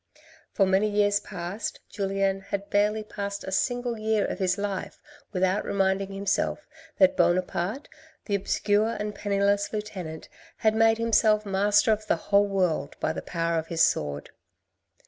For many years past Julien had scarcely passed a single year of his life without reminding himself that Buonaparte, the obscure and penniless lieutenant, had made himself master of the whole world by the power of his sword.